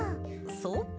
そっか。